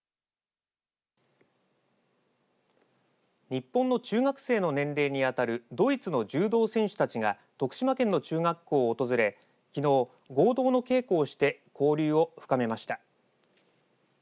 日本の中学生の年齢に当たるドイツの柔道選手たちが徳島県の中学校を訪れきのう合同の稽古をして交流を深めました。